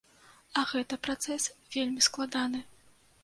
А гэта працэс вельмі складаны.